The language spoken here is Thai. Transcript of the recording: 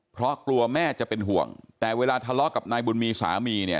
เพราะกลัวแม่จะเป็นห่วงแต่เวลาทะเลาะกับนายบุญมีสามีเนี่ย